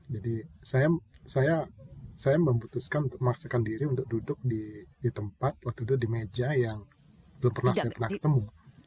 jadi saya memutuskan untuk memaksakan diri untuk duduk di tempat waktu itu di meja yang belum pernah saya pernah ketemu